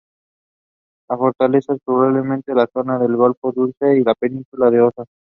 La fortaleza es probablemente la zona del golfo Dulce y la península de Osa.